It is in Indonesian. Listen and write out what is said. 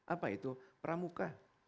apa itu pramuka